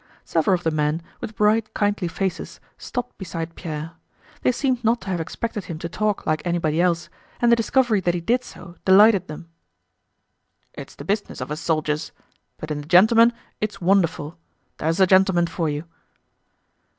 Several of the men, with bright kindly faces, stopped beside Pierre. They seemed not to have expected him to talk like anybody else, and the discovery that he did so delighted them. "It's the business of us soldiers. But in a gentleman it's wonderful! There's a gentleman for you!"